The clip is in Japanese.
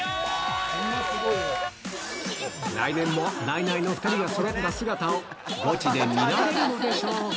来年も、ナイナイの２人がそろった姿をゴチで見られるんでしょうか。